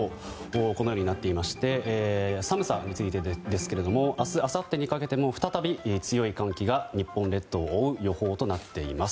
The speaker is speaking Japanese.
このようになっていまして寒さについてですけれども明日あさってにかけても再び強い寒気が日本列島を覆う予報となっています。